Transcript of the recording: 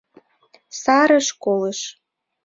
Сареш колыш...